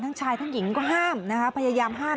ทั้งชายทั้งหญิงก็ห้ามนะคะพยายามห้าม